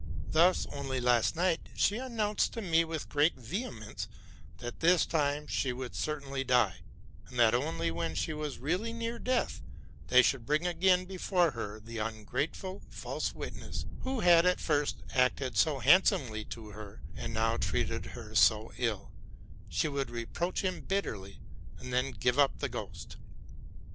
Thus, only last night, she announced to me with great vehemence, that this time she should cer tainly die; and that only when she was really near death, they should bring again before her the ungrateful, false friend, who had at first "acted so handsomely to her, and now treated her so ill; she would reproach him bitterly , and then give up the ghost.